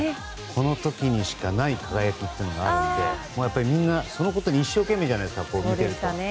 その時にしかないライブがあるのでみんなそのことに一生懸命じゃないですか見ていると。